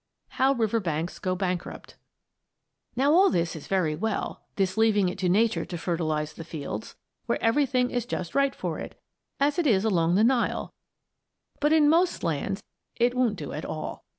HOW RIVER BANKS GO BANKRUPT Now all this is very well, this leaving it to Nature to fertilize the fields, where everything is just right for it, as it is along the Nile, but in most lands it won't do it all.